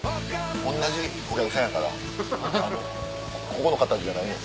同じお客さんやからここの方じゃないねん。